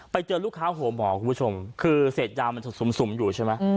ไปเจอลูกค้าหัวหมอคุณผู้ชมคือเศษยามันจะสุ่มอยู่ใช่ไหม